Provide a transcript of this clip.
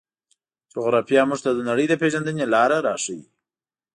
جغرافیه موږ ته د نړۍ د پېژندنې لاره راښيي.